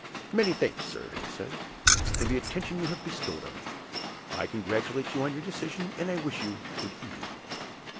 "Many thanks, sir," he said, "for the attention you have bestowed on me. I congratulate you on your decision, and I wish you good evening."